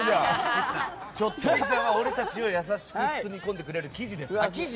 関さんは俺たちを優しく包み込んでくれる生地です。